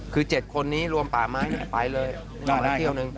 คือ๗คนนี้รวมป่าไม้ไปเลย